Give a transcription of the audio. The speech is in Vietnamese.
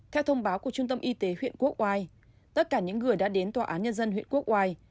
theo thông báo của trung tâm y tế huyện quốc oai tất cả những người đã đến tòa án nhân dân huyện quốc oai